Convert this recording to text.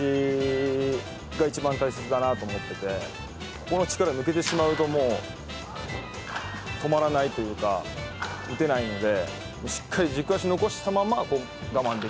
ここの力が抜けてしまうともう止まらないというか打てないので。